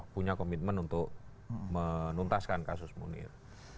punya komitmen untuk menuntaskan kasus munir